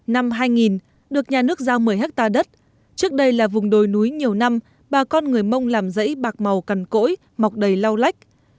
năm hai nghìn được nhà nước giao một mươi hectare đất trước đây là vùng đồi núi nhiều năm bà con người mông làm dãy bạc màu cằn cỗi mọc đầy lau lách